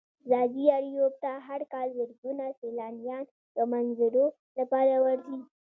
ځاځي اريوب ته هر کال زرگونه سيلانيان د منظرو لپاره ورځي.